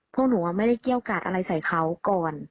พวกหนูไม่ได้เกี้ยวกาดอะไรใส่เขาก่อน